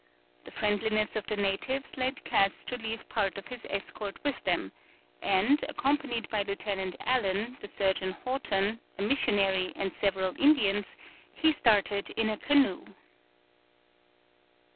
The friendliness of the natives led Cass to leave part of his escort with them, and, accompanied by Lieutenant Allen, the surgeon Houghton, a missionary, and several Indians, he started in a canoe.